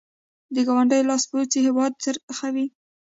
د ګاونډیو لاسپوڅي هېواد خرڅوي.